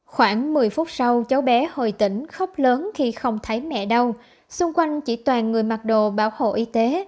khoảng một mươi phút sau cháu bé hồi tỉnh khóc lớn khi không thấy mẹ đâu xung quanh chỉ toàn người mặc đồ bảo hộ y tế